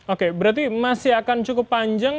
oke berarti masih akan cukup panjang